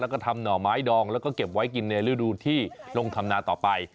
แล้วก็ทำหน่อไม้ดองแล้วก็เก็บไว้กินในฤดูที่ลงทำนาต่อไป